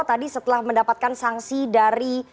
tadi setelah mendapatkan sanksi dari